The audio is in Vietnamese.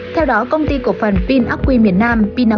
theo đó công ty cổ phần binaqui miền nam